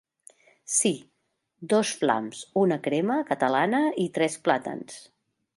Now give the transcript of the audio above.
Sí, dos flams, una crema catalana i tres plàtans.